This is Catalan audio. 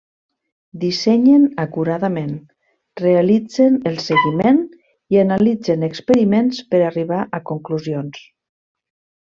Dissenyen acuradament, realitzen el seguiment i analitzen experiments per arribar a conclusions.